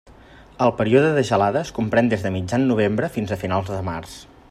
El període de gelades comprèn des de mitjan novembre fins a finals de març.